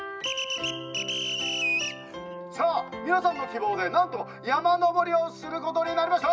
さあみなさんのきぼうでなんとやまのぼりをすることになりました！